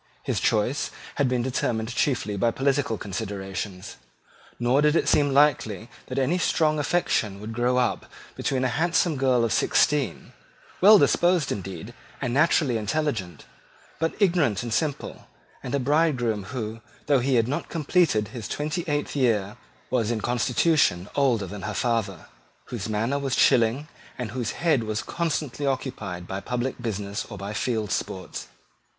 His choice had been determined chiefly by political considerations: nor did it seem likely that any strong affection would grow up between a handsome girl of sixteen, well disposed indeed, and naturally intelligent, but ignorant and simple, and a bridegroom who, though he had not completed his twenty eighth year, was in constitution older than her father, whose manner was chilling, and whose head was constantly occupied by public business or by field sports.